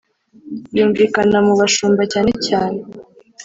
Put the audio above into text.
yumvikana mu bashumba cyane cyane